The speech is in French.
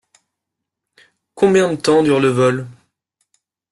Combien de temps dure le vol ?